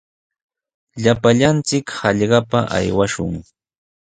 Llapallanchik hallpapa aywashun.